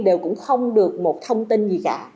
đều cũng không được một thông tin gì cả